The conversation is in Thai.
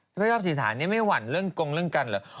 ถ้าไปชอบที่สาเนี่ยไม่หวั่นเรื่องกรงเรื่องกันเหรอ